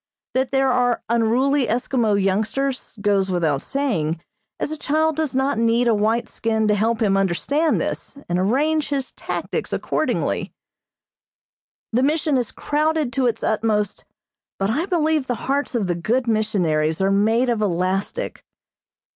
That there are unruly Eskimo youngsters, goes without saying, as a child does not need a white skin to help him understand this, and arrange his tactics accordingly. The Mission is crowded to its utmost, but I believe the hearts of the good missionaries are made of elastic.